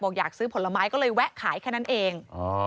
อยากซื้อผลไม้ก็เลยแวะขายแค่นั้นเอง